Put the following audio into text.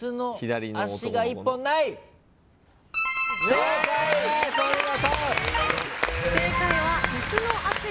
正解ですお見事！